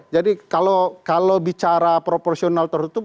jadi kalau bicara proporsional tertutup